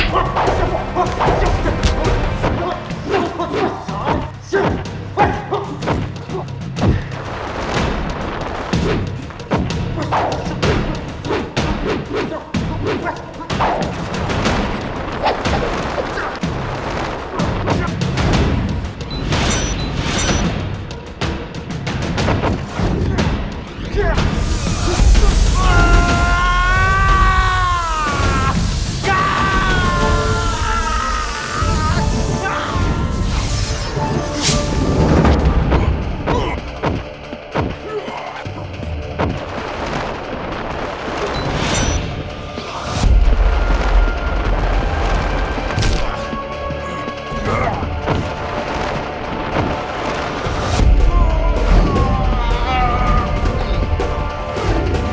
badai badai badai